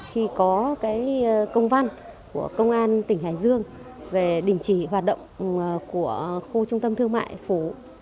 khi có công văn của công an tỉnh hải dương về đình chỉ hoạt động của khu trung tâm thương mại phố